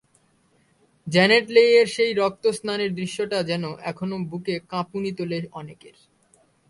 Janet লেইয়ের সেই রক্তস্নানের দৃশ্যটা যেন এখনো বুকে কাঁপুনি তোলে অনেকের।